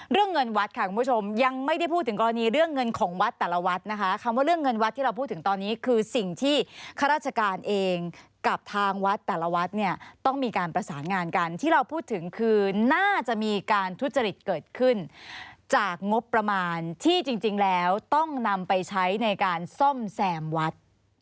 เรื่องเงินวัดค่ะคุณผู้ชมยังไม่ได้พูดถึงกรณีเรื่องเงินของวัดแต่ละวัดนะคะคำว่าเรื่องเงินวัดที่เราพูดถึงตอนนี้คือสิ่งที่ข้าราชการเองกับทางวัดแต่ละวัดเนี่ยต้องมีการประสานงานกันที่เราพูดถึงคือน่าจะมีการทุจริตเกิดขึ้นจากงบประมาณที่จริงแล้วต้องนำไปใช้ในการซ่อมแซมวัด